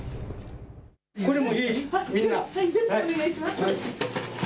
全部お願いします。